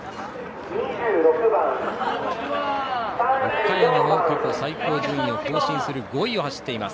岡山も過去最高順位を更新する５位を走っています。